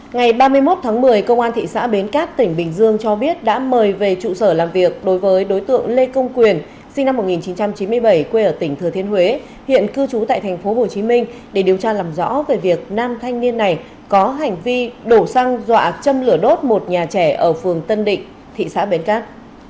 ngày ba mươi một tháng một mươi công an thị xã bến cát tỉnh bình dương cho biết đã mời về trụ sở làm việc đối với đối tượng lê công quyền sinh năm một nghìn chín trăm chín mươi bảy quê ở tỉnh thừa thiên huế hiện cư trú tại tp hcm để điều tra làm rõ về việc nam thanh niên này có hành vi đổ xăng dọa châm lửa đốt một nhà trẻ ở phường tân định thị xã bến cát